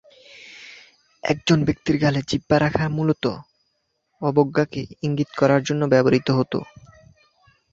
একজন ব্যক্তির গালে জিহ্বা রাখা মূলত অবজ্ঞাকে ইঙ্গিত করার জন্য ব্যবহৃত হতো।